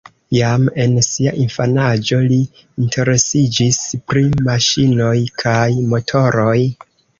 Jam en sia infanaĝo li interesiĝis pri maŝinoj kaj motoroj.